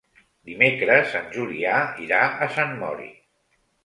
Dimecres en Julià irà a Sant Mori.